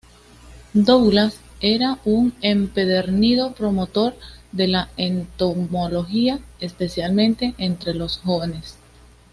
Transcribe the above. Douglas era un empedernido promotor de la entomología, especialmente entre los jóvenes.